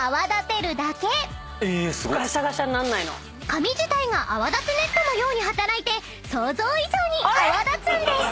［髪自体が泡立てネットのように働いて想像以上に泡立つんです］